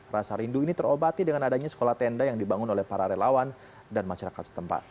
rasa rindu ini terobati dengan adanya sekolah tenda yang dibangun oleh para relawan dan masyarakat setempat